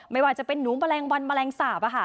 ไม่ว่าจะเป็นหนูแมลงวันแมลงสาป